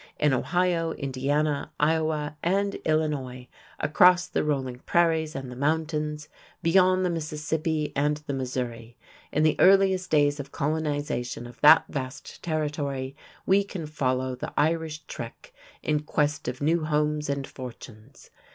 In Ohio, Indiana, Iowa, and Illinois, across the rolling prairies and the mountains, beyond the Mississippi and the Missouri, in the earliest days of colonization of that vast territory, we can follow the Irish "trek" in quest of new homes and fortunes.